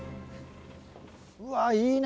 うわいいね！